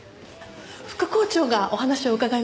副校長がお話を伺いますので。